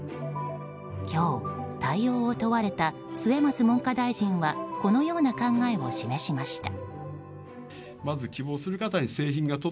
今日、対応を問われた末松文科大臣はこのような考えを示しました。